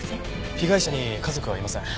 被害者に家族はいません。